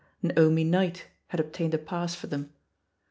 Naomi Knight had obtained a pass for them.